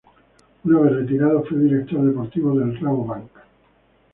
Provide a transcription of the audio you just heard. Una vez retirado, fue director deportivo del Rabobank.